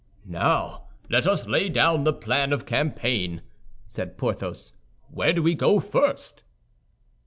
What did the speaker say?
"Now let us lay down the plan of campaign," said Porthos. "Where do we go first?"